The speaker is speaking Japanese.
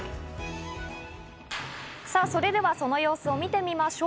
さぁ、それではその様子を見てみましょう。